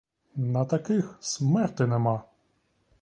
На таких смерти нема!